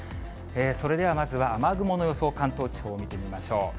それではまずは雨雲の予想、関東地方、見てみましょう。